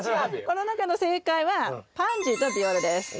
この中の正解はパンジーとビオラです。